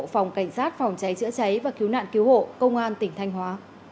phòng cảnh sát phòng cháy chữa cháy và cứu nạn cứu hộ công an tỉnh thanh hóa